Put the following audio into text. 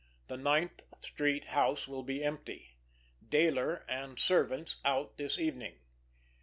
The Ninth Street house will be empty. Dayler and servants out this evening.